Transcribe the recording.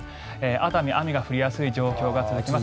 熱海、雨が降りやすい状況が続きます。